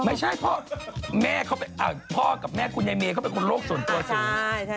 พ่อกับแม่คุณใหญ่เมเข้าไปคนโลกส่วนตัว